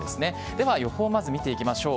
では予報をまず見ていきましょう。